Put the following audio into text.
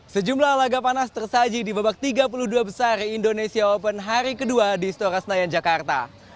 sejumlah laga panas tersaji di babak tiga puluh dua besar indonesia open hari kedua di stora senayan jakarta